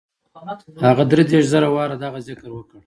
هغه دري دېرش زره واره دغه ذکر وکړ.